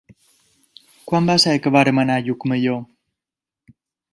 Quan va ser que vam anar a Llucmajor?